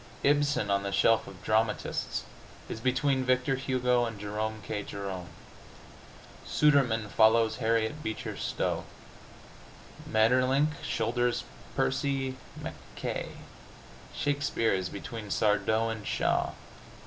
Ibsen, on the shelf of dramatists, is between Victor Hugo and Jerome K. Jerome. Sudermann follows Harriet Beecher Stowe. Maeterlinck shoulders Percy Mackaye. Shakespeare is between Sardou and Shaw.